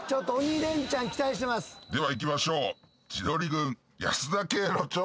ではいきましょう。